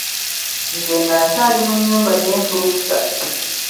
Nze nga nkyali mu nnyumba neefulukuta.